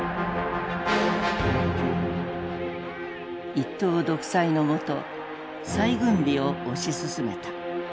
一党独裁のもと再軍備を推し進めた。